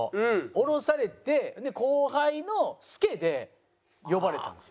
降ろされて後輩の助で呼ばれたんですよ。